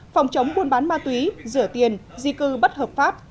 phòng chống buôn bán ma túy rửa tiền di cư bất hợp pháp